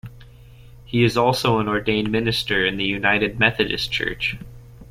He is also an ordained minister in the United Methodist Church.